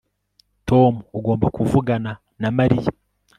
tom, ugomba kuvugana na mariya